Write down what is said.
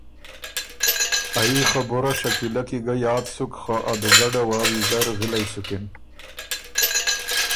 ا يي خبُره شکیلۀ کی ګه یاد سُک خه ا دُوګډه ویزر غِلئ سُکِن